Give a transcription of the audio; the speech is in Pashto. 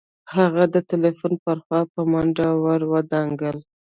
هغه د ټليفون پر خوا په منډه ور ودانګل.